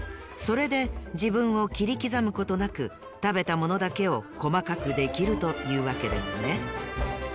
それでじぶんをきりきざむことなくたべたものだけをこまかくできるというわけですね。